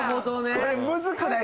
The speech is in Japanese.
これむずくないっすか？